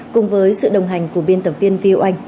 cùng với sự đồng hành của biên tập viên vio anh